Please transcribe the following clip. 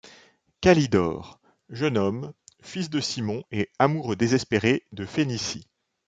Calidore : jeune homme, fils de Simon et amoureux désespéré de Phénicie.